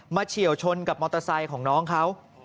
เฉียวชนกับมอเตอร์ไซค์ของน้องเขา